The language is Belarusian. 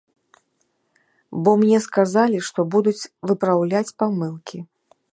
Бо мне сказалі, што будуць выпраўляць памылкі.